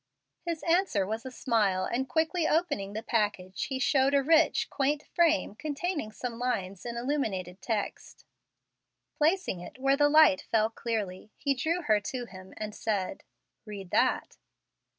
His answer was a smile, and quickly opening the pack age, he showed a rich, quaint frame containing some lines in illuminated text. Placing it where the light fell clearly, he drew her to him and said, "Read that."